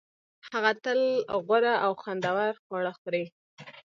هغه تل غوره او خوندور خواړه خوري